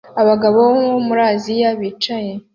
Abagabo bo muri Aziya bicaye